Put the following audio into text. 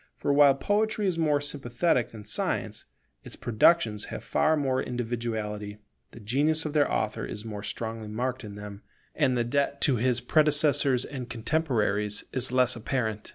For while Poetry is more sympathetic than Science, its productions have far more individuality; the genius of their author is more strongly marked in them, and the debt to his predecessors and contemporaries is less apparent.